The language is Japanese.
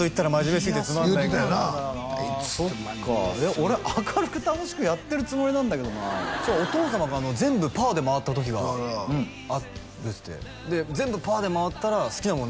俺明るく楽しくやってるつもりなんだけどなお父様が全部パーで回った時があるって全部パーで回ったら好きなもの